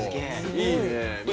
いいね。